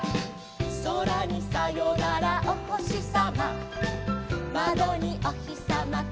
「そらにさよならおほしさま」「まどにおひさまこんにちは」